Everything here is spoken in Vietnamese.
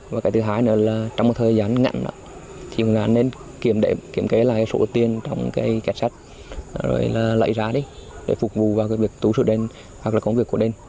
và cái thứ hai nữa là trong một thời gian ngặn đó thì người ta nên kiểm kế lại số tiền trong kết sắt rồi lấy ra để phục vụ vào việc tù sự đền hoặc là công việc của đền